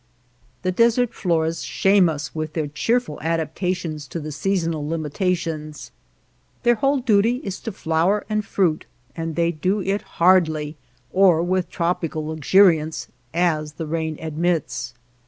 The desert floras shame us with their cheerful adaptations to the seasonal limita tions. Their whole duty is to flower and 6 THE LAND OF LITTLE RAIN fruit, and they do it hardly, or with tropi cal luxuriance, as the raiii admits.